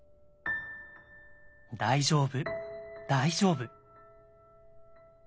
「大丈夫大丈夫」。